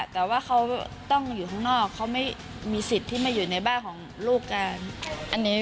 แต่ว่าเขาต้องอยู่ข้างนอกเขาไม่มีสิทธิ์ที่มาอยู่ในบ้านของลูกกัน